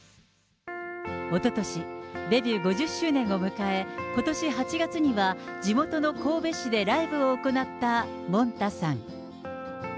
おととし、デビュー５０周年を迎え、ことし８月には地元の神戸市でライブを行ったもんたさん。